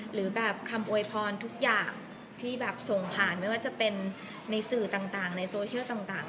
หรือแบบคำโวยพรทุกอย่างที่แบบส่งผ่านไม่ว่าจะเป็นในสื่อต่างในโซเชียลต่าง